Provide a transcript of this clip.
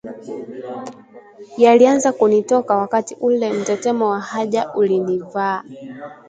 yalianza kunitoka wakati ule mtetemo wa haja ulinivaa